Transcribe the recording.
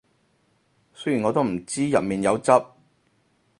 雖然我都唔知入面有汁